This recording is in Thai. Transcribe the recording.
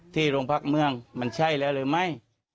ที่โรงพักเมืองมันใช่แล้วหรือไม่